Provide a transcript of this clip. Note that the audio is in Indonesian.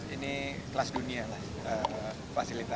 ini kelas dunia lah